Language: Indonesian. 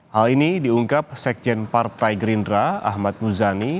hal ini diungkap sekjen partai gerindra ahmad muzani